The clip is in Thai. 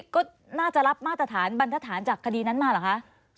ก็น่าจะรับมาตรฐานบรรทฐานจากคดีนั้นมาเหรอคะ